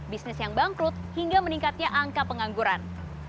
bisnis yang bangkrut hingga meningkatnya angka pengangguran